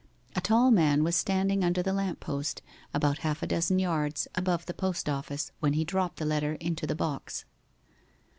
A tall man was standing under the lamp post, about half a dozen yards above the post office, when he dropped the letter into the box.